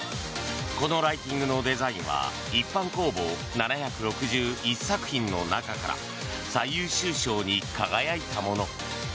このライティングのデザインは一般公募７６１作品の中から最優秀賞に輝いたもの。